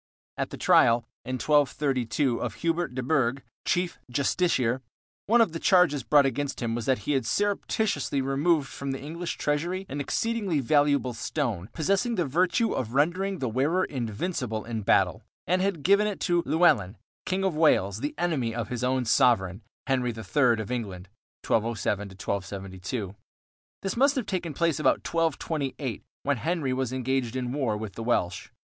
At the trial, in 1232, of Hubert de Burgh, chief justiciar, one of the charges brought against him was that he had surreptitiously removed from the English treasury an exceedingly valuable stone, possessing the virtue of rendering the wearer invincible in battle, and had given it to Llewellyn, King of Wales, the enemy of his own sovereign, Henry III of England (1207 1272). This must have taken place about 1228, when Henry was engaged in a war with the Welsh.